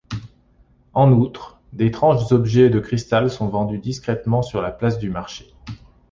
En outre, d'étranges objets de cristal sont vendus discrètement sur la place du marché.